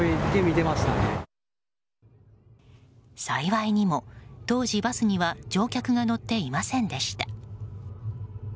幸いにも当時、バスには乗客が乗っていませんでした。